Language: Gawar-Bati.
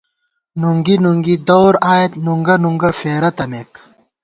نُونگی نُونگی دَور آئېت، نُونگہ نُونگہ فېرہ تمېک